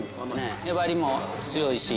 粘りも強いし。